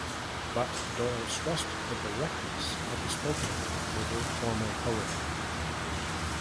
But Doyle stressed the directness of the spoken word over formal poetry.